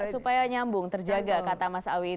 supaya nyambung terjaga kata mas awiyiti